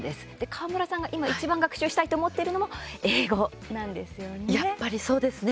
川村さんが今、いちばん学習したいと思ってるのもやっぱり、そうですね。